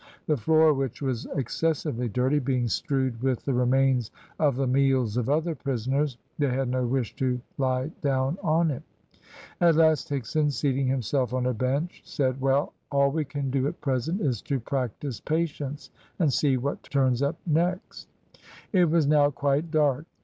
The floor, which was excessively dirty, being strewed with the remains of the meals of other prisoners, they had no wish to lie down on it. At last, Higson, seating himself on a bench, said, "Well, all we can do at present is to practise patience, and see what turns up next." It was now quite dark.